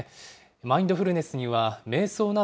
マインドフルネスですね。